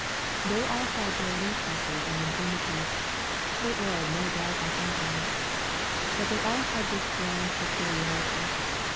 They all had their weaknesses and infirmities. They erred no doubt in some things. But they all had this grand peculiarity.